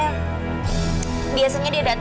langganan warungnya aida biasanya